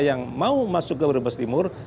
yang mau masuk ke brebes timur